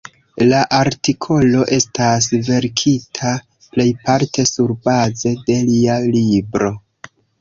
La artikolo estas verkita plejparte surbaze de lia libro.